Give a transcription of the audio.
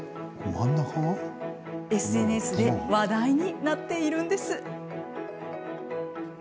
ＳＮＳで話題になっているんです。